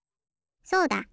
そうだ！